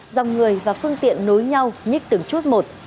dòng người và phương tiện nối nhau nhích từng chút một